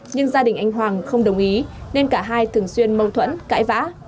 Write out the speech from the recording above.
nhưng gia đình anh hoàng không đồng ý nên cả hai thường xuyên mâu thuẫn cãi vã